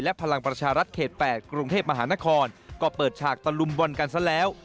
พลังประชารัฐเขต๘กรุงเทพมหานครก็เปิดฉากตะลุมบอลกันซะแล้ว